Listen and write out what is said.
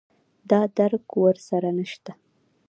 دا درک ور سره نشته